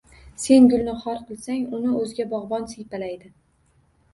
Sen gulni xor qilsang, uni o’zga bog’bon siypalaydi.